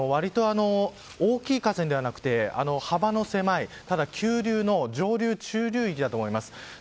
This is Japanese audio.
ということはわりと大きい河川ではなくて幅の狭い、ただ急流の上流、中流域だと思います。